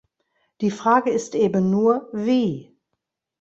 Die Frage ist eben nur, wie.